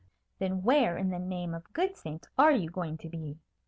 "Then where in the name of good saints are you going to be?"